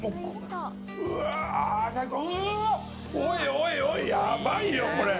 おいおい、やばいよこれ。